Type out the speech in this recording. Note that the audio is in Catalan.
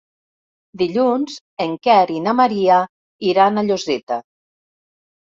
Dilluns en Quer i na Maria iran a Lloseta.